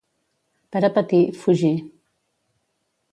Per a patir, fugir.